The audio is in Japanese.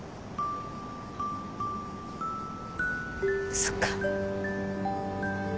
そっか。